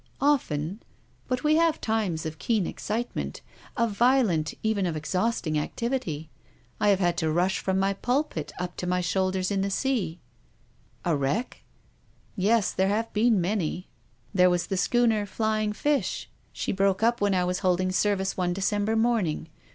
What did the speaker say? "Often. But wc have times of keen excite ment, of violent, even of exhausting activity. I have had to rush from the pulpit up to my shoul ders in the sea." "A wreck?" "Yes, there have been many. There was the schooner ' Flying Fish.' She broke up when I 14 TONGU?:S OF CONSCIENCE. was holding service one December morning.